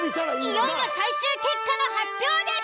いよいよ最終結果の発表です。